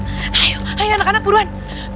hayuk hayuk anak anak buruan